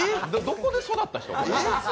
どこで育った人？